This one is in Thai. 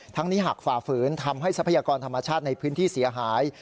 ทั้งนี้หากฝ่าฝืนทำให้ทรัพยากรธรรมชาติในพื้นที่เสียหาย